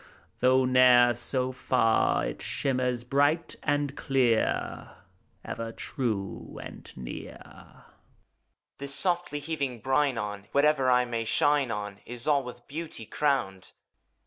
Though ne'er so far, It shimmers bright and clear, Ever true and near. HOMUNCULUS. This softly heaving brine on. Whatever I may shine on Is all with beauty crowned.